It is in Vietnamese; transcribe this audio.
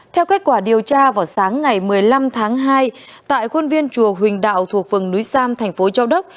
theo kết quả điều tra vào sáng ngày một mươi năm tháng hai tại khuôn viên chùa huỳnh đạo thuộc phường núi sam thành phố châu đốc